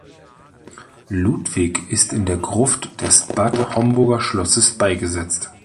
Ludwig ist in der Gruft des Bad Homburger Schlosses beigesetzt.